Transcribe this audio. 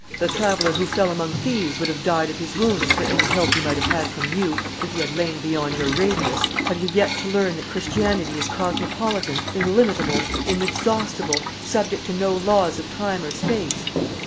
The traveller who fell among thieves would have died of his wounds, for any help he might have had from you, if he had lain beyond your radius. Have you yet to learn that Christianity is cosmopolitan, illimitable, inexhaustible, subject to no laws of time or space?